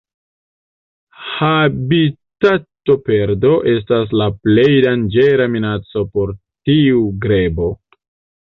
Habitatoperdo estas la plej danĝera minaco por tiu grebo.